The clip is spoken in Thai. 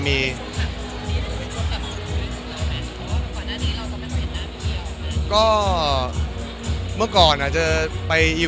เป็นยุ่นชมแต่มองดูด้วยของเราเนี่ย